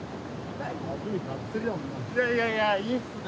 いやいやいやいいっすね。